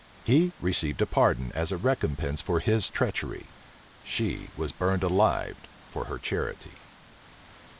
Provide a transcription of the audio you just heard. He received a pardon as a recompense for his treachery; she was burned alive for her charity.